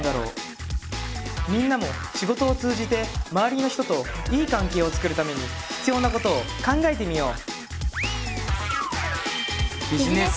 みんなも仕事を通じて周りの人といい関係を作るために必要なことを考えてみよう！